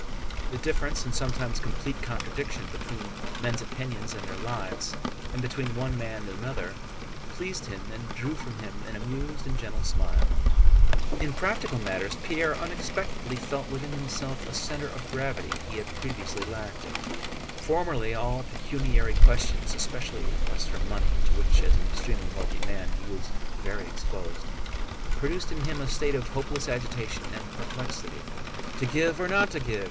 The difference, and sometimes complete contradiction, between men's opinions and their lives, and between one man and another, pleased him and drew from him an amused and gentle smile. In practical matters Pierre unexpectedly felt within himself a center of gravity he had previously lacked. Formerly all pecuniary questions, especially requests for money to which, as an extremely wealthy man, he was very exposed, produced in him a state of hopeless agitation and perplexity. "To give or not to give?"